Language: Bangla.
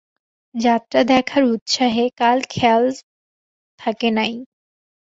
যাত্রা দেখার উৎসাহে কাল খেয়াল থাকে নাই।